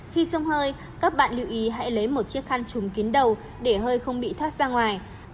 khi sông hơi các bạn lưu ý hãy lấy một chiếc khăn chùm kín đầu để hơi không bị thoát ra ngoài